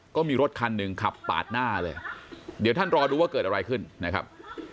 ก็มีรถคันหนึ่งขับปาดหน้าเลยเดี๋ยวท่านรอดูว่าเกิดอะไรขึ้นนะครับ